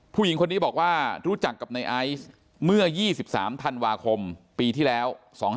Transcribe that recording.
ผู้หญิงคนนี้บอกว่ารู้จักกับในไอซ์เมื่อ๒๓ธันวาคมปีที่แล้ว๒๕๖